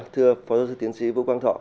thưa phó giáo sư tiến sĩ vũ quang thọ